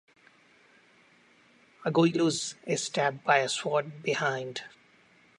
Aguiluz is stabbed by a sword behind.